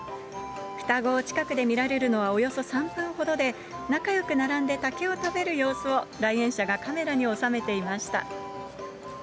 双子を近くで見られるのはおよそ３分ほどで、仲よく並んで竹を食べる様子を来園者がカメラに収めていました。